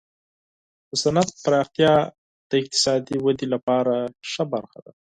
د صنعت پراختیا د اقتصادي ودې لپاره مهمه برخه ده.